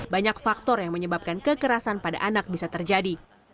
banyak faktor yang menyebabkan kekerasan pada anak bisa terjadi